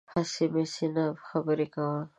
هسې مسې نه، خبره کوه